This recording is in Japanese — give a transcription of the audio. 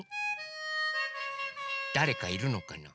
だれかいるのかな？